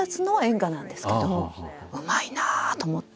「うまいな」と思って。